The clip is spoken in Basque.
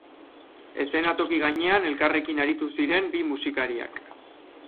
Eszenatoki gainean elkarrekin aritu ziren bi musikariak.